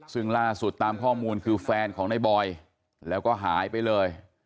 ซึ่งล่าสุดตามข้อมูลคือแฟนของในบอยแล้วก็หายไปเลย